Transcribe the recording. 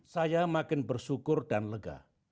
saya makin bersyukur dan lega